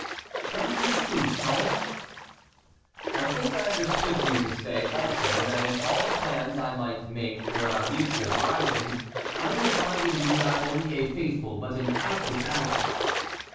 "That is true, sire." "I think I understood you to say also that in all the plans I might make toward our mutual rising, I would find in you not only a faithful but an active ally."